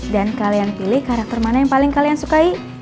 dan kalian pilih karakter mana yang paling kalian sukai